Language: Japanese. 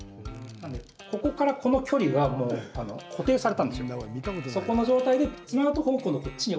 なのでここから、この距離がもう固定されたんですよ。